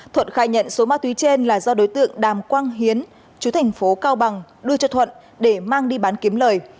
thuận khai nhận số ma túy trên là do đối tượng đàm quang hiến chú thành phố cao bằng đưa cho thuận để mang đi bán kiếm lời